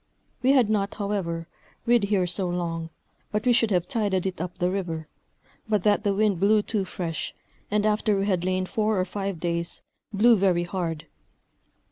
We had not, however, rid here so long, but we should have tided it up the river, but that the wind blew too fresh, and after we had lain four or five days, blew very hard.